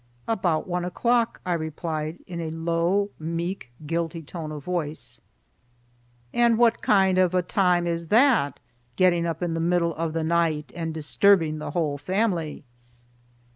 "About one o'clock," I replied in a low, meek, guilty tone of voice. "And what kind of a time is that, getting up in the middle of the night and disturbing the whole family?"